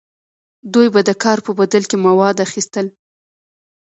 دوی به د کار په بدل کې مواد اخیستل.